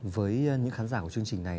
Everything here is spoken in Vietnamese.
với những khán giả của chương trình này